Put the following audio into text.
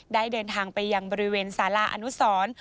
เดินทางไปยังบริเวณสาราอนุสร